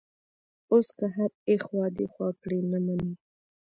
اوس که هر ایخوا دیخوا کړي، نه مني.